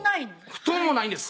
布団もないんです